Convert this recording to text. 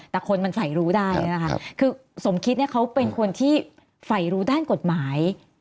แต่คนมันฝ่ายรู้ได้นะคะคือสมคิดเนี่ยเขาเป็นคนที่ฝ่ายรู้ด้านกฎหมาย